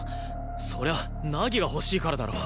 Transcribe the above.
そりゃ凪が欲しいからだろ。